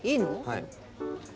はい。